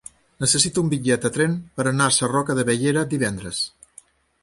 Necessito un bitllet de tren per anar a Sarroca de Bellera divendres.